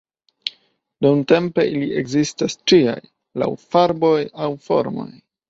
Nuntempe ili ekzistas ĉiaj laŭ farboj aŭ formoj.